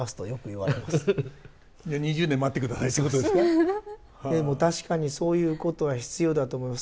でも確かにそういうことは必要だと思います。